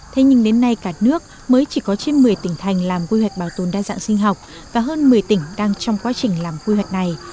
thế nhưng đến nay cả nước mới chỉ có trên một mươi tỉnh thành làm quy hoạch bảo tồn đa dạng sinh học và hơn một mươi tỉnh đang trong quá trình làm quy hoạch này